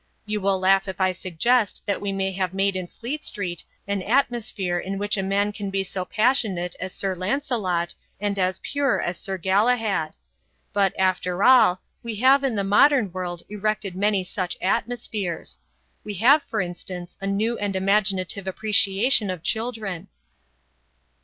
You will laugh if I suggest that we may have made in Fleet Street an atmosphere in which a man can be so passionate as Sir Lancelot and as pure as Sir Galahad. But, after all, we have in the modern world erected many such atmospheres. We have, for instance, a new and imaginative appreciation of children."